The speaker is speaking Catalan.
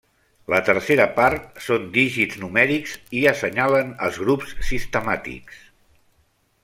La tercera part són dígits numèrics i assenyalen els grups sistemàtics.